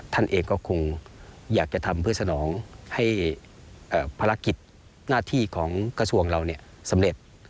ท่านเองก็คงอยากจะทำเพื่อสนองให้ภารกิจหน้าที่ของกระทรวงเราสำเร็จ